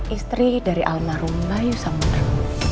istri dari alma rumba yusamudra